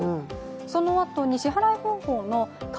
そのあとに支払い方法の顔